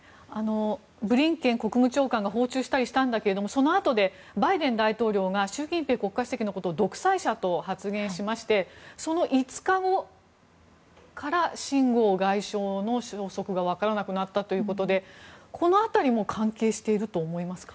ブリンケン国務長官が訪中したりしたんだけれどもそのあとで、バイデン大統領が習近平国家主席のことを独裁者と発言しましてその５日後からシン・ゴウ外相の消息が分からなくなったということでこの辺りも関係していると思いますか？